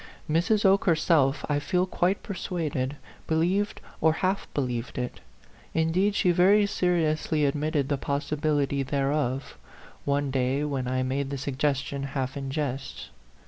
Mrs. Oke herself, I feel quite persuaded, be lieved or half believed it ; indeed, she very A PHANTOM LOVER. 105 seriously admitted the possibility thereof, one day when I made the suggestion half in jest.